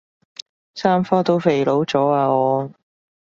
三科都肥佬咗啊我